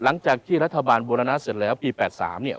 หลังจากที่รัฐบาลบูรณะเสร็จแล้วปี๘๓เนี่ย